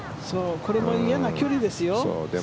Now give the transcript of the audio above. これも嫌な距離ですよ。